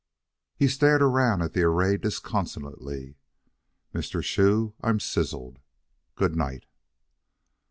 He stared around at the array disconsolately. "Mr. Shoe, I'm sizzled. Good night."